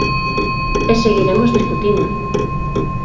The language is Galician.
E seguiremos discutindo.